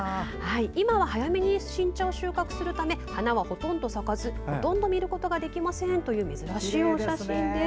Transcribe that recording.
今は早めに新茶を収穫するため花はほとんど咲かずほとんど見ることができませんという珍しいお写真です。